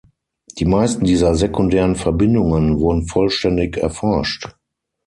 Die meisten dieser sekundären Verbindungen wurden vollständig erforscht.